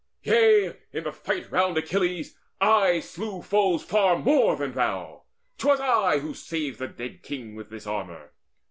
Yea, in the fight around Achilles, I Slew foes far more than thou; 'twas I who saved The dead king with this armour.